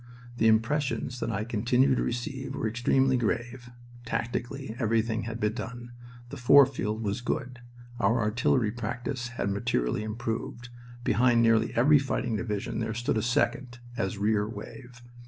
The impressions that I continued to receive were extremely grave. Tactically everything had been done; the fore field was good. Our artillery practice had materially improved. Behind nearly every fighting division there stood a second, as rear wave.